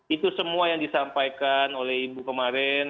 itu semua yang disampaikan oleh ibu kemarin